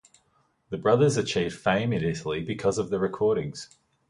The brothers achieved fame in Italy because of the recordings.